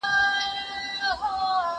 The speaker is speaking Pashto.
زه بايد سبزېجات وچوم!!